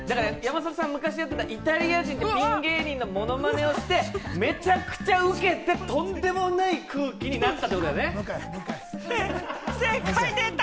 とんでもない、山里さんが昔やってたイタリア人のピン芸人のものまねをして、めちゃくちゃウケて、とんでもない空気になったってことだよね？